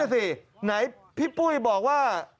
นั่นแหละสิไหนพี่ปุ้ยบอกว่า